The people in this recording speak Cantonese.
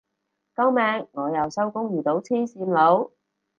救命我又收工遇到黐線佬